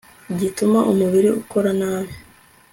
gituma umubiri ukora nabi